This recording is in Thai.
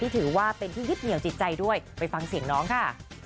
ถือว่าเป็นที่ยึดเหนียวจิตใจด้วยไปฟังเสียงน้องค่ะ